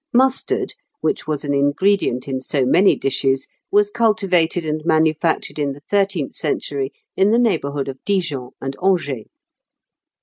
Mustard, which was an ingredient in so many dishes, was cultivated and manufactured in the thirteenth century in the neighbourhood of Dijon and Angers.